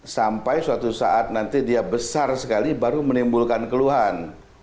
sampai suatu saat nanti dia besar sekali baru menimbulkan keluhan